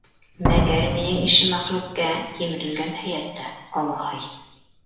— Мәгәр минең ише мәхлүккә кимерелгән һөйәк тә — оло һый.